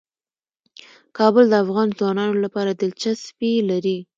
کابل د افغان ځوانانو لپاره دلچسپي لري.